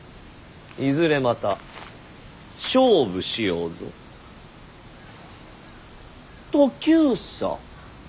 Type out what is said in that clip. いずれまた勝負しようぞトキューサ。